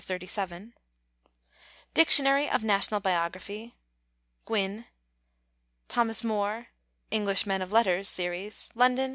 xxxvii; Dictionary of National Biography; Gwynn: Thos. Moore ("English Men of Letters" Series, London, 1905).